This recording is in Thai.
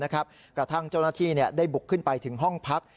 เจ้าหน้าที่ได้บุกขึ้นไปถึงห้องพัก